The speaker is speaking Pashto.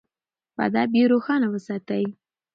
په ادب یې روښانه وساتئ.